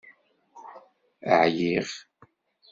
Ɛyiɣ!